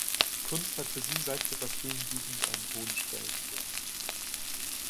Kunst hat für sie seit ihrer frühen Jugend einen hohen Stellenwert.